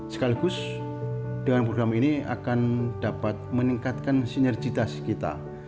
sekaligus dengan program ini akan dapat meningkatkan sinergitas kita